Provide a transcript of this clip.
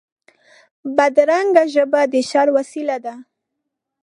بدرنګه ژبه د شر وسیله ده